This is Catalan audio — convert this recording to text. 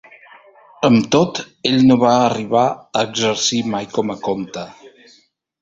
Amb tot, ell no va arribar a exercir mai com a comte.